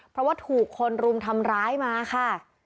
เพราะว่าถูกคนรุมทำร้ายมาค่ะ